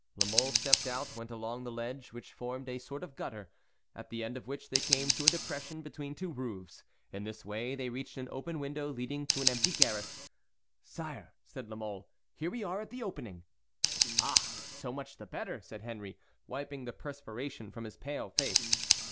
La Mole stepped out, went along the ledge, which formed a sort of gutter, at the end of which they came to a depression between two roofs. In this way they reached an open window leading to an empty garret. "Sire," said La Mole, "here we are at the opening." "Ah! so much the better," said Henry, wiping the perspiration from his pale face.